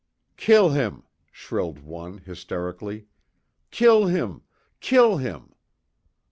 "Kill him!" shrilled one hysterically. "Kill him!" "Kill him!"